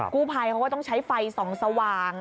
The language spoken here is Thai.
กู้ภัยเขาก็ต้องใช้ไฟส่องสว่าง